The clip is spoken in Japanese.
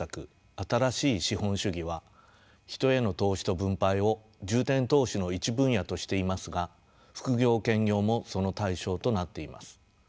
新しい資本主義は人への投資と分配を重点投資の一分野としていますが副業・兼業もその対象となっています。